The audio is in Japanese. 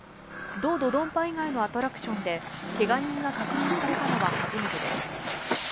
ド・ドドンパ以外のアトラクションでけが人が確認されたのは初めてです。